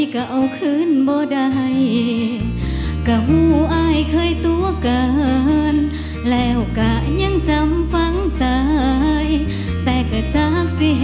โปรดติดตามตอนต่อไป